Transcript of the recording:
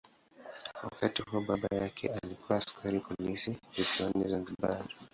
Wakati huo baba yake alikuwa askari polisi visiwani Zanzibar.